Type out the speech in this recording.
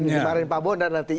dimarin pak bondar nanti